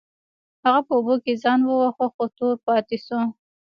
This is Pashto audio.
هغه په اوبو کې ځان وواهه خو تور پاتې شو.